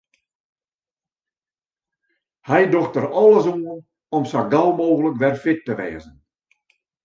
Hy docht der alles oan om sa gau mooglik wer fit te wêzen.